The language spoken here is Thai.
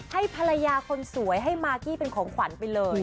ให้ภรรยาคนสวยให้มากกี้เป็นของขวัญไปเลย